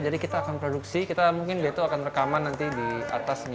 jadi kita akan produksi mungkin beto akan rekaman nanti di atas di depan